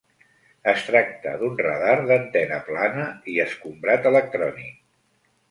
Es tracta d'un radar d'antena planar i escombrat electrònic.